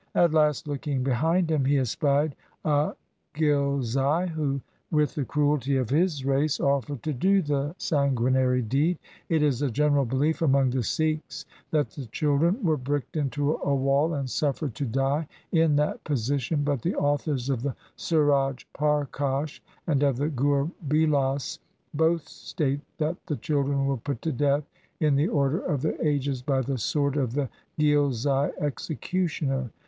At last looking behind him he espied a Ghilzai who, 198 THE SIKH RELIGION with the cruelty of his race, offered to do the san guinary deed. It is a general belief among the Sikhs that the children were bricked into a wall and suffered to die in that position, but the authors of the Suraj Parkash and of the Guy Bilas both state that the children were put to death in the order of their ages by the sword of the Ghilzai executioner.